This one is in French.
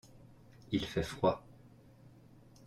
il fait froid.